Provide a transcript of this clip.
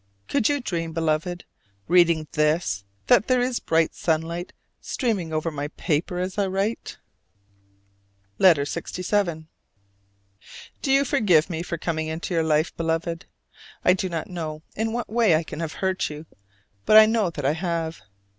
Could you dream, Beloved, reading this that there is bright sunlight streaming over my paper as I write? LETTER LXVII. Do you forgive me for coming into your life, Beloved? I do not know in what way I can have hurt you, but I know that I have.